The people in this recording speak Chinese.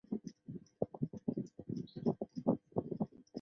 完工后为新北市第三高及新庄副都心最高建筑物。